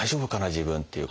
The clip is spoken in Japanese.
自分っていう。